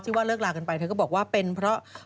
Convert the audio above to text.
ว่าเลิกลากันไปเธอก็บอกว่าเป็นเพราะ